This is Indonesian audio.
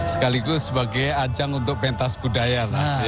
sekaligus sebagai ajang untuk pentas budaya